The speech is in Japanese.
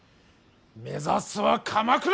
目指すは鎌倉！